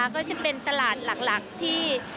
ก็จะเป็นตลาดหลักที่